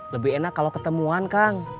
lebih enak kalau ketemuan kang